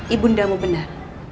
ibu ndang mau benar